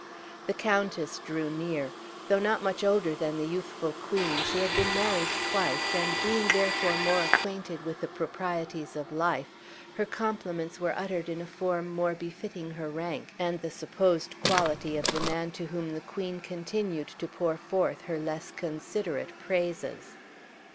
The countess drew near. Though not much older than the youthful queen, she had been married twice, and being therefore more acquainted with the proprieties of life, her compliments were uttered in a form more befitting her rank, and the supposed quality of the man to whom the queen continued to pour forth her less considerate praises.